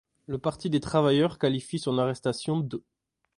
Le Parti des travailleurs qualifie son arrestation d'.